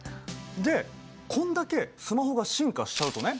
でこんだけスマホが進化しちゃうとね